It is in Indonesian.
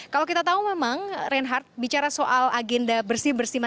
kalau kita tahu memang reinhardt bicara soal agenda bersih bersih masjid